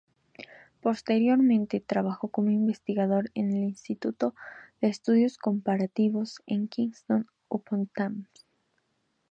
Posteriormente trabajó como investigador en el Instituto de Estudios Comparativos en Kingston upon Thames.